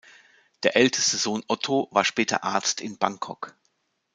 Der älteste Sohn Otto war später Arzt in Bangkok.